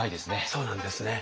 そうなんですね。